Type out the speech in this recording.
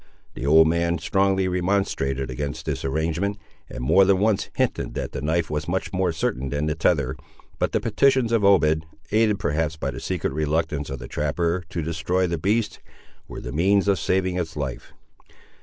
The old man strongly remonstrated against this arrangement, and more than once hinted that the knife was much more certain than the tether, but the petitions of Obed, aided perhaps by the secret reluctance of the trapper to destroy the beast, were the means of saving its life.